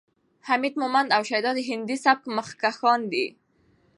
حمید مومند او شیدا د هندي سبک مخکښان دي.